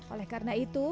oleh karena itu